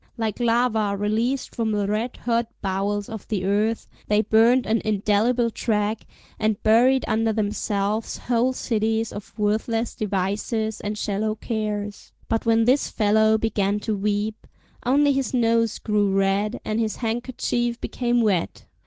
Like lava released from the red hot bowels of the earth, they burnt an indelible track, and buried under themselves whole cities of worthless devices and shallow cares. But when this fellow began to weep, only his nose grew red, and his handkerchief became wet.